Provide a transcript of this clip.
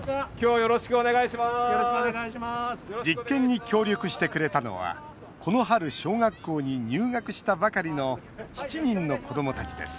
実験に協力してくれたのはこの春小学校に入学したばかりの７人の子どもたちです